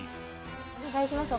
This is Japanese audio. お願いします